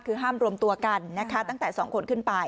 คือห้ามรวมตัวกันนะคะตั้งแต่๒คนขึ้นไป